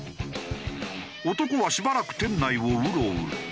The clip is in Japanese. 男はしばらく店内をウロウロ。